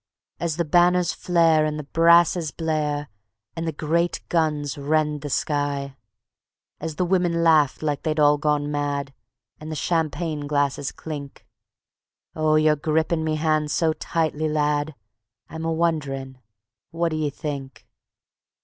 As the banners flare and the brasses blare And the great guns rend the sky? As the women laugh like they'd all gone mad, And the champagne glasses clink: Oh, you're grippin' me hand so tightly, lad, I'm a wonderin': what d'ye think?